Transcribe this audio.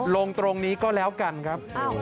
ลงตรงนี้ก็แล้วกันครับ